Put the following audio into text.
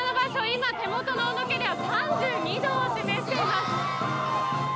今、手元の温度計では３２度を示しています。